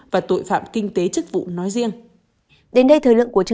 và tội phạm kinh tế chức vụ nói riêng